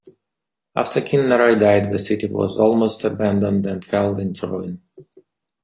After King Narai died, the city was almost abandoned and fell into ruin.